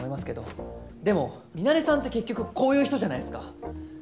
でもミナレさんって結局こういう人じゃないですか。